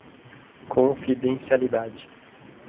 confidencialidade